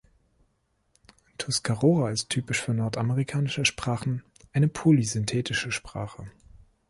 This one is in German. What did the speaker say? Tuscarora ist -typisch für nordamerikanische Sprachen- eine polysynthetische Sprache.